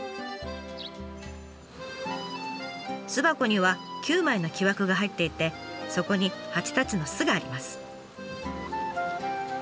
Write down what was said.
巣箱には９枚の木枠が入っていてそこに蜂たちの巣があります。